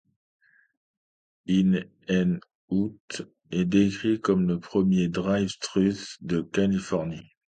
In-N-Out est décrit comme le premier drive-thru de Californie.